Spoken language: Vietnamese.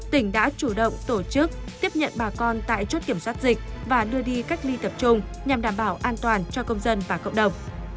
tỉnh đã chủ động tổ chức tiếp nhận bà con tại chốt kiểm soát dịch và đưa đi cách ly tập trung nhằm đảm bảo an toàn cho công dân và cộng đồng